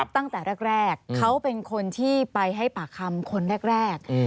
ตั้งแต่แรกเขาเป็นคนที่ไปให้ปากคำคนแรก